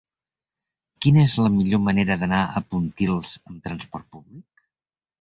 Quina és la millor manera d'anar a Pontils amb trasport públic?